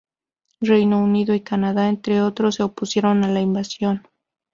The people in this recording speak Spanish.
Reino Unido y Canadá, entre otros se opusieron a la invasión.